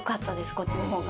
こっちの方が。